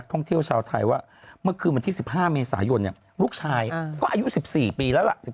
ท่องเที่ยวชาวไทยว่าเมื่อคืนวันที่๑๕เมษายนลูกชายก็อายุ๑๔ปีแล้วล่ะ